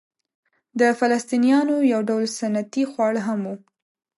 د فلسطنیانو یو ډول سنتي خواړه هم وو.